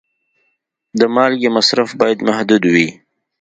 د مالګې مصرف باید محدود وي.